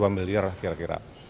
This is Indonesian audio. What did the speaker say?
dua miliar lah kira kira